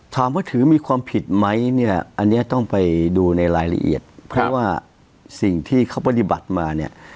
ถามว่าถือมีความผิดไหมเนี่ยอันนี้ต้องไปดูในรายละเอียดเพราะว่าสิ่งที่เขาปฏิบัติมาเนี่ย